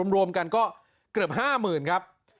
รวมกันก็เกือบ๕๐๐๐ครับ